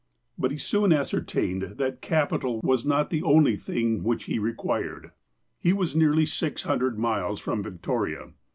I But he soon ascertained that capital was not the only 178 THE APOSTLE OF ALASKA thing which he required. He was nearly six hundred miles from Victoria.